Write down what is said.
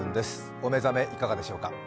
お目覚めいかがでしょうか。